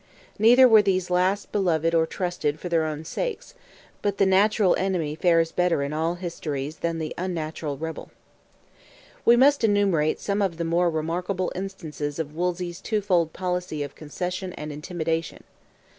Neither were these last loved or trusted for their own sakes, but the natural enemy fares better in all histories than the unnatural rebel. We must enumerate some of the more remarkable instances of Wolsey's twofold policy of concession and intimidation.